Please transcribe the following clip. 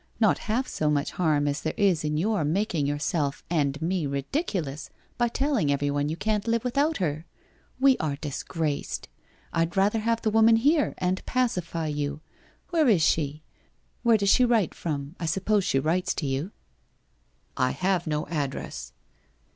Not half so much harm as there is in your making yourself and me ridiculous by telling everyone you can't live with out her. We are disgraced. I'd rather have the woman here and pacify you. Where is she? Where does she write from ? I suppose she writes to you ?'' I have no address.'